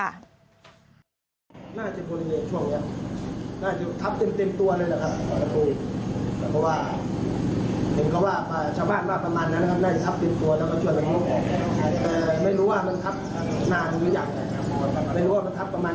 น่าจะผลิตช่วงเนี้ยน่าจะทับเต็มเต็มตัวเลยแหละครับ